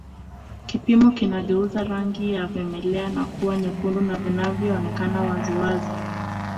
Kipimo kinageuza rangi ya vimelea na kuwa vyekundu na vinaonekana wazi wazi